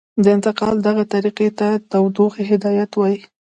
د انتقال دغې طریقې ته تودوخې هدایت وايي.